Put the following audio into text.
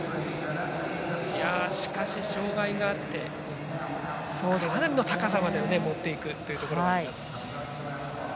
しかし、障がいがあってもかなりの高さまで持っていくというところがあります。